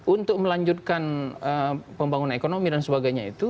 untuk melanjutkan pembangunan ekonomi dan sebagainya itu